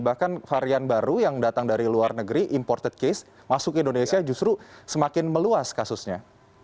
bahkan varian baru yang datang dari luar negeri imported case masuk ke indonesia justru semakin meluas kasusnya